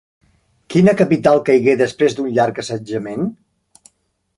Quina capital caigué després d'un llarg assetjament?